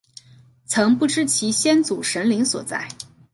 曾不知其先祖神灵所在。